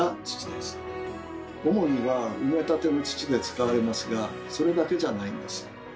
主には埋め立ての土で使われますがそれだけじゃないんです。